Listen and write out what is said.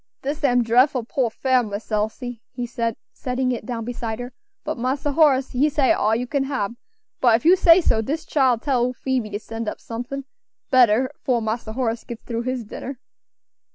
"Dis am drefful poor fare, Miss Elsie," he said, setting it down beside her, "but Massa Horace he say it all you can hab; but if you say so, dis chile tell ole Phoebe to send up somethin' better fore Massa Horace gits through his dinner."